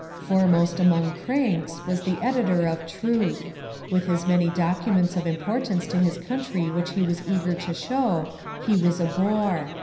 Foremost among "cranks" was the editor of "Truth." With his many documents of importance to his country which he was eager to show, he was a bore.